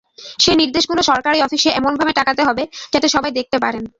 সেই নির্দেশগুলো সরকারি অফিসে এমনভাবে টাঙাতে হবে যাতে সবাই দেখতে পারেন।